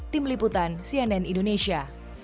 tim liputan cnn indonesia